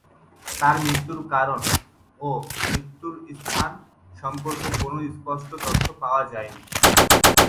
তার মৃত্যুর কারণ ও মৃত্যু স্থান সম্পর্কে কোনো সুস্পষ্ট তথ্য পাওয়া যায়নি।